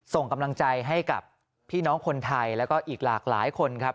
ส่งกำลังใจให้กับพี่น้องคนไทยแล้วก็อีกหลากหลายคนครับ